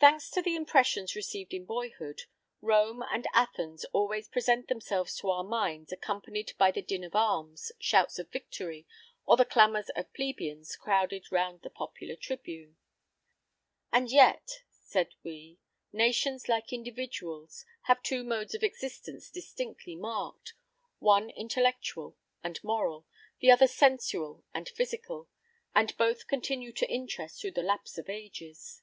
_" Thanks to the impressions received in boyhood, Rome and Athens always present themselves to our minds accompanied by the din of arms, shouts of victory, or the clamours of plebeians crowded round the popular tribune. "And yet," said we, "nations, like individuals, have two modes of existence distinctly marked one intellectual and moral, the other sensual and physical; and both continue to interest through the lapse of ages."